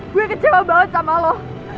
gue kecewa banget sama lo